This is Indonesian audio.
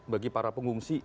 bagi para pengungsi